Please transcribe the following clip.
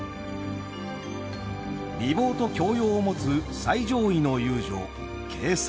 美貌と教養を持つ最上位の遊女傾城。